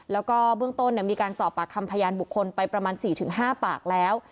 แล้วก็เบื้องต้นมีการสอบปากคำพยานบุคคลไปประมาณ๔๕ปากแล้ว